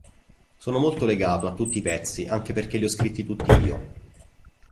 Sono molto legato a tutti i pezzi, anche perché li ho scritti tutti io.